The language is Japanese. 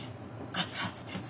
熱々です。